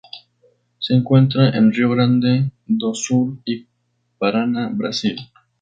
Se encuentra en Rio Grande do Sul y Paraná, Brasil.